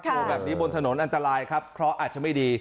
โชว์แบบนี้บนถนนอาฆารายครับเค้าอาจจะไม่ดี